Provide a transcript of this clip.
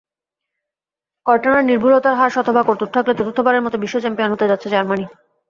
কর্টানার নির্ভুলতার হার শতভাগ অটুট থাকলে চতুর্থবারের মতো বিশ্বচ্যাম্পিয়ন হতে যাচ্ছে জার্মানি।